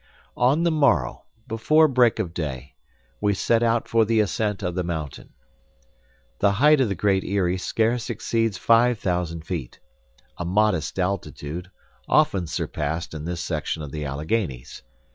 On the morrow, before break of day, we set out for the ascent of the mountain. The height of the Great Eyrie scarce exceeds five thousand feet. A modest altitude, often surpassed in this section of the Alleghanies.